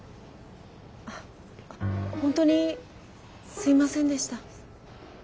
あ本当にすいませんでした。